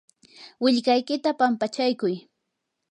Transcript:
willkaykita pampachaykuy.